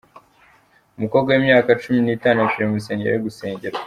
Umukobwa w’imyaka cumi nitanu yapfiriye mu rusengero ari gusengerwa